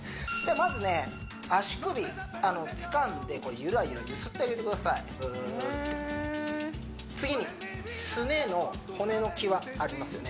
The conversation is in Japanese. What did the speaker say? まずね足首つかんでゆらゆら揺すってあげてくださいぶっと次にありますよね